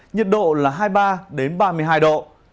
nhiệt độ là hai mươi ba ba mươi hai độ